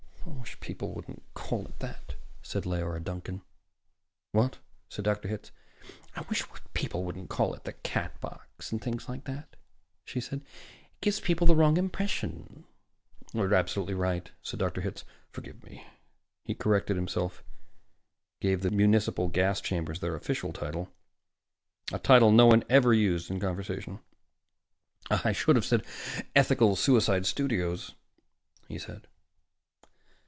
"I wish people wouldn't call it that," said Leora Duncan. "What?" said Dr. Hitz. "I wish people wouldn't call it 'the Catbox,' and things like that," she said. "It gives people the wrong impression." "You're absolutely right," said Dr. Hitz. "Forgive me." He corrected himself, gave the municipal gas chambers their official title, a title no one ever used in conversation. "I should have said, 'Ethical Suicide Studios,'" he said.